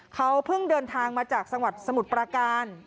เขาเพิ่งเดินทางมาจากสมุดประการ